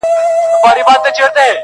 • د زړو شرابو ډکي دوې پیالي دی..